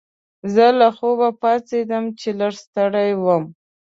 زه له خوبه پاڅیدم چې لږ ستړی وم.